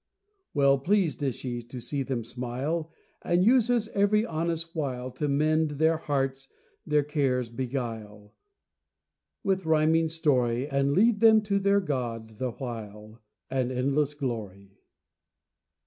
Well pleased is she to see them smile, And uses every honest wile To mend then hearts, their cares beguile, With rhyming story, And lend them to then God the while, And endless glory.